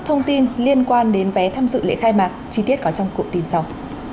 thông tin liên quan đến vé tham dự lễ khai mạc chi tiết có trong cụ tin sau